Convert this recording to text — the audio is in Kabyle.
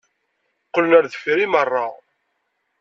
Qqlen ar deffir i meṛṛa.